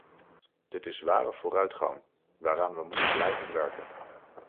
Dit is ware vooruitgang, waaraan we moeten blijven werken.